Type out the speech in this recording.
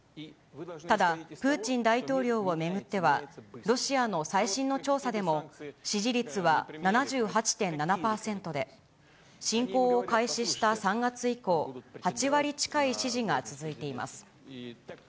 ただ、プーチン大統領を巡っては、ロシアの最新の調査でも支持率は７８．７％で、侵攻を開始した３月以降、８割近い支持が続いています。